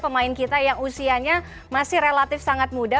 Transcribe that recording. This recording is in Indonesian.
pemain indonesia yang masih muda